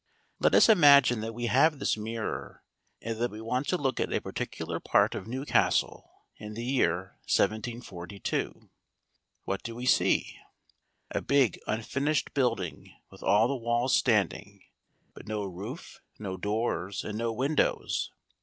Let us imagine that we have this mirror, and that we want to look at a particular part of Newcastle in the year 1742. What do we see? A big unfinished building with all the walls standing, but no roof, no doors, and no windows.